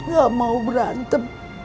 gak mau berantem